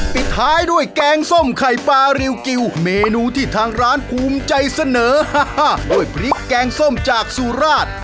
ปิดท้ายด้วยแกงส้มไข่ปลาริวกิวเมนูที่ทางร้านภูมิใจเสนอด้วยพริกแกงส้มจากสุราช